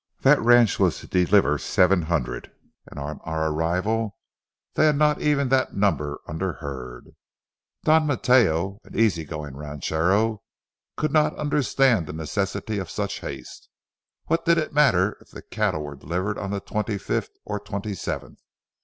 That ranch was to deliver seven hundred, and on our arrival they had not even that number under herd. Don Mateo, an easy going ranchero, could not understand the necessity of such haste. What did it matter if the cattle were delivered on the twenty fifth or twenty seventh?